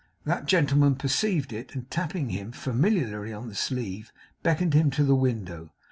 That gentleman perceived it, and tapping him familiarly on the sleeve, beckoned him to the window.